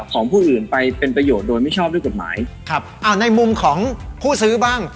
ของผู้อื่นไปเป็นประโยชน์โดยไม่ชอบด้วยกฎหมายครับอ้าวในมุมของผู้ซื้อบ้าง